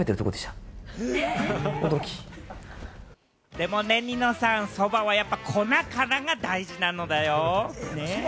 でもね、ニノさん、そばは、やっぱ、粉からが大事なのだよ。